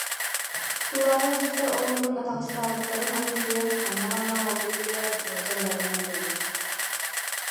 Тулаайах дьахтар оҕолорун атаҕастаабыттарын аньыытыгар, онно-манна оһолго түбэһэн, ыалдьан баранан эрэллэр